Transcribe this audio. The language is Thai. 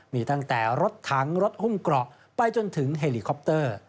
มีตั้งแต่รถถังรถหุ้มเกราะไปจนถึงเฮลิคอปเตอร์